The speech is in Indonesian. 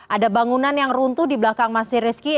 ada bangunan yang runtuh di belakang mas rizky